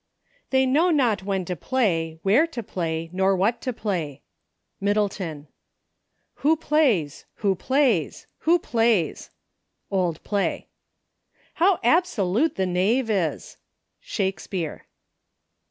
"They know not when to play, where to play, noi what to play. — Middleton. a Who plays— who plays — who plays." — Old Play, "How absolute the Knave is !"— Shakspeare.